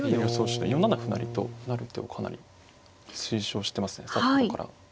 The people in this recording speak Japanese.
手で４七歩成と成る手をかなり推奨してますね先ほどから。